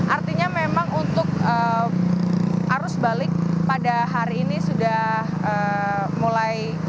artinya memang untuk arus balik pada hari ini sudah mulai